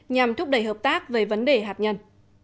nhằm thúc đẩy hợp tác về vấn đề hạt nhân